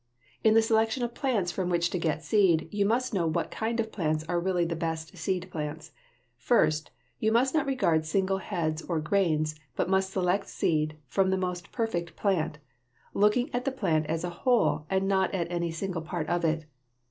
In the selection of plants from which to get seed, you must know what kind of plants are really the best seed plants. First, you must not regard single heads or grains, but must select seed from the most perfect plant, looking at the plant as a whole and not at any single part of it.